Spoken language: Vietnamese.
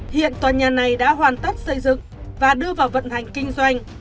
hiện tòa nhà này đã hoàn tất xây dựng và đưa vào vận hành kinh doanh